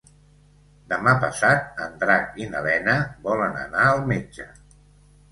Demà passat en Drac i na Lena volen anar al metge.